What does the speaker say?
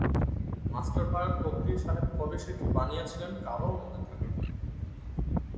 মাস্টারপাড়ার তকদির সাহেব কবে সেটি বানিয়েছিলেন, কারও মনে থাকার কথা নয়।